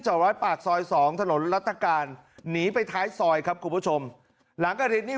ร้อยปากซอยสองถนนรัฐกาลหนีไปท้ายซอยครับคุณผู้ชมหลังกระดินนี่